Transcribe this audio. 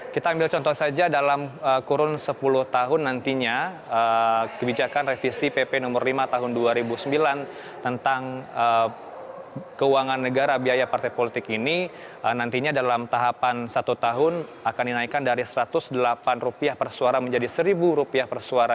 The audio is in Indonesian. kita ambil contoh saja dalam kurun sepuluh tahun nantinya kebijakan revisi pp nomor lima tahun dua ribu sembilan tentang keuangan negara biaya partai politik ini nantinya dalam tahapan satu tahun akan dinaikkan dari rp satu ratus delapan per suara menjadi rp satu per suara